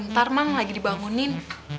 ntar mang lagi dibangunin